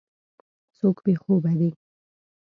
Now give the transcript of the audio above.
څوک بې خوبه دی.